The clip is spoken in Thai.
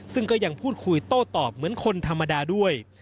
ซึ่งก็ยังพูดคุยโต้ตอบเหมือนคนธรรมดาด้วย